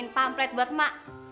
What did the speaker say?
pamplet buat emak